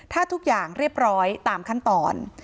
ถ้าทุกอย่างเรียบร้อยตามขั้นตอน